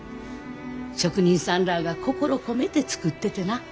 職人さんらが心込めて作っててな。